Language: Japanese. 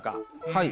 はい。